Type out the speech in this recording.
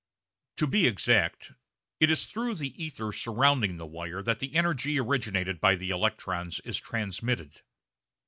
To be exact, it is through the ether surrounding the wire that the energy originated by the electrons is transmitted.